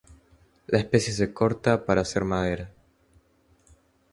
La especie se corta para hacer madera.